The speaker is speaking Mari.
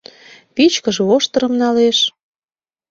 Вичкыж воштырым налеш